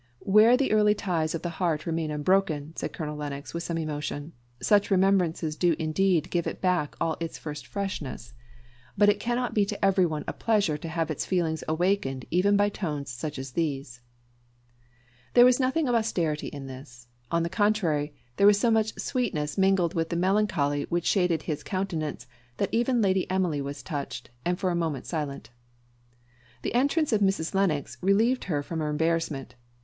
"Where the early ties of the heart remain unbroken," said Colonel Lennox, with some emotion, "such remembrances do indeed give it back all its first freshness; but it cannot be to everyone a pleasure to have its feelings awakened even by tones such as these." There was nothing of austerity in this; on the contrary, there was so much sweetness mingled with the melancholy which shaded his countenance, that even Lady Emily was touched, and for a moment silent. The entrance of Mrs. Lennox relieved her from her embarrassment.